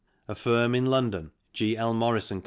A firm in London, G. L. Morris & Co.